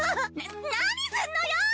何すんのよー！